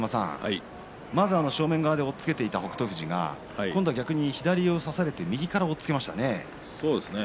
まず正面側で押っつけていた北勝富士が今度は逆に左を差されて右から押っつけましたね。